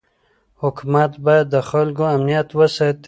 حکومت باید د خلکو امنیت وساتي.